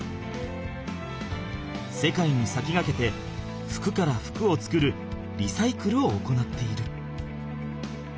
世界にさきがけて服から服を作るリサイクルを行っている。